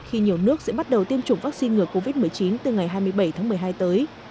khi nhiều nước sẽ bắt đầu tiêm chủng vaccine ngừa covid một mươi chín từ ngày hai mươi bảy tháng một mươi hai tới